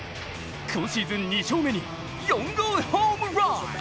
今シーズン２勝目に４号ホームラン。